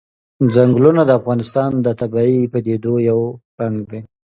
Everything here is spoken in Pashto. ځنګلونه د افغانستان د طبیعي پدیدو یو رنګ دی.